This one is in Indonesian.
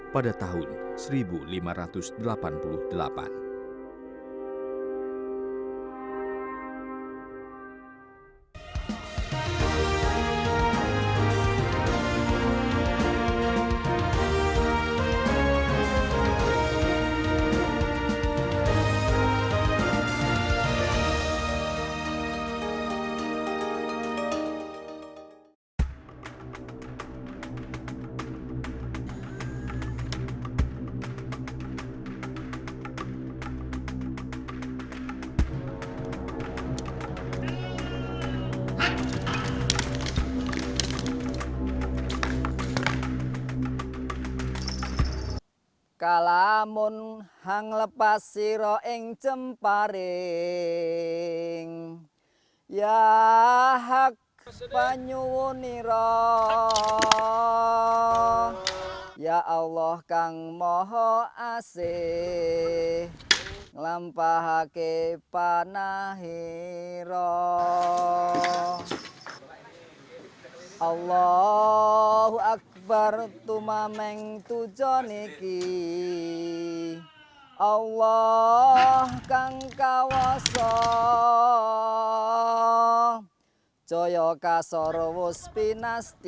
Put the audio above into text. pada tahun seribu lima ratus delapan puluh delapan